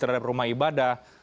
terhadap rumah ibadah